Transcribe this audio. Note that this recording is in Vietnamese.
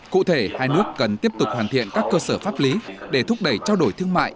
cụ thể hai nước cần tiếp tục hoàn thiện các cơ sở pháp lý để thúc đẩy trao đổi thương mại